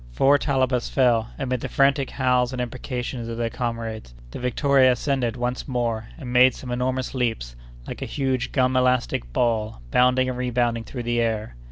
Four Talabas fell, amid the frantic howls and imprecations of their comrades. The Victoria ascended once more, and made some enormous leaps, like a huge gum elastic ball, bounding and rebounding through the air.